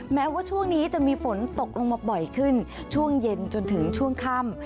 แม้ว่าช่วงนี้จะมีฝนตกลงมาบ่อยขึ้นช่วงเย็นจนถึงช่วงค่ำ